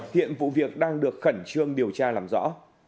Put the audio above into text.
hiện vụ việc đang được khẩn trương điều tra làm rõ